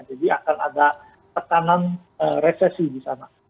jadi akan ada pertahanan resesi di sana